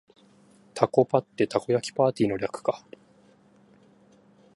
タコパってたこ焼きパーティーの略か